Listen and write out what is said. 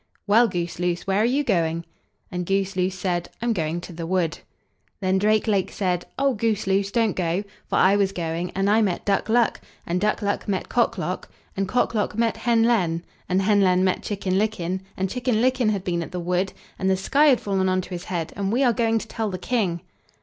"Well, Goose loose, where are you going?" And Goose loose said: "I'm going to the wood." Then Drake lake said: "Oh, Goose loose, don't go, for I was going, and I met Duck luck, and Duck luck met Cock lock, and Cock lock met Hen len, and Hen len met Chicken licken, and Chicken licken had been at the wood, and the sky had fallen on to his head, and we are going to tell the King."